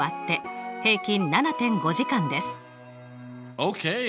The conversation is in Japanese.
ＯＫ！